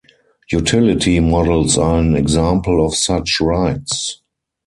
Utility models are an example of such rights.